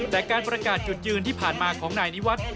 แต่การประกาศจุดยืนที่ผ่านมาของนายนิวัฒน์